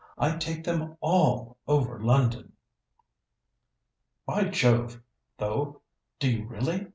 I take them all over London!" "By Jove, though, do you really!"